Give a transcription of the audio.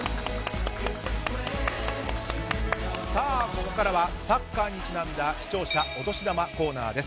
ここからはサッカーにちなんだ視聴者お年玉コーナーです。